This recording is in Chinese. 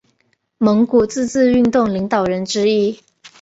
蒙古自治运动领导人之一。